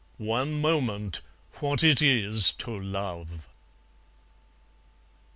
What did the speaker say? One moment, what it is to love.